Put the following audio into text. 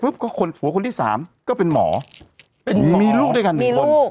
แต่ปุ๊บก็คนผัวคนที่สามก็เป็นหมอเป็นหมอมีลูกด้วยกันหนึ่งคนมีลูก